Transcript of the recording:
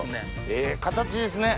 ええ形ですね